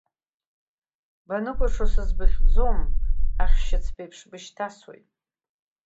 Баныкәашо сызбыхьӡом, ахьшьыцбеиԥш бышьҭасуеит…